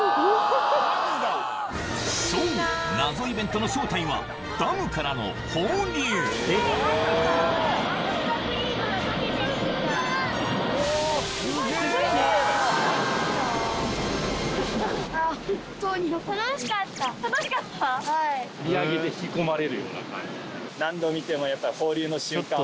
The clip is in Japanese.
そう謎イベントの正体は楽しかった？